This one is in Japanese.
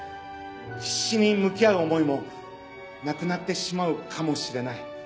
必死に向き合う思いもなくなってしまうかもしれない。